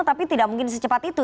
tapi tidak mungkin secepat itu